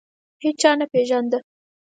هیچا نه پېژاند.